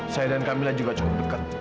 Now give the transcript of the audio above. saya dan kamil juga cukup dekat